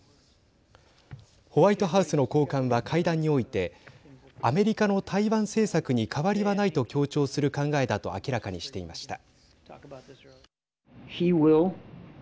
ホワイトハウスの高官は会談においてアメリカの台湾政策に変わりはないと強調する考えだと明らかにしていました。